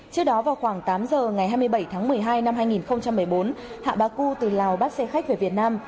trước đó vào khoảng tám giờ ngày hai mươi bảy tháng một mươi hai năm hai nghìn một mươi bốn hạ bá cưu từ lào bắt xe khách về việt nam